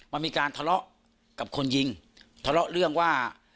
มันมีการทะเลาะกับคนยิงทะเลาะเรื่องว่า